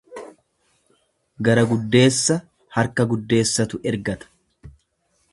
Gara guddeessa harka guddeessatu ergata.